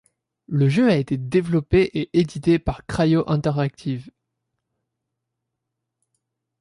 Le jeu a été développé et édité par Cryo Interactive.